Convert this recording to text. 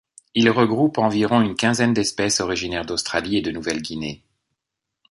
Ils regroupent environ une quinzaine d'espèces originaires d'Australie et de Nouvelle-Guinée.